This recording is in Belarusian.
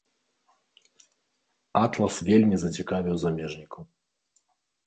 Атлас вельмі зацікавіў замежнікаў.